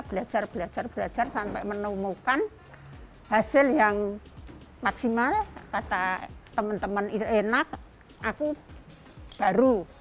belajar belajar belajar sampai menemukan hasil yang maksimal kata teman teman itu enak aku baru